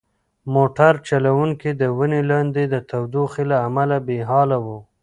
موټر چلونکی د ونې لاندې د تودوخې له امله بې حاله و.